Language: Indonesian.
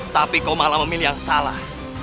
tapi kau malah memilih yang salah